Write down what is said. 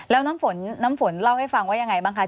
แล้วน้ำฝนน้ำฝนเล่าให้ฟังว่ายังไงบ้างคะ